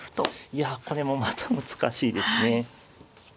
いやこれもまた難しいですね。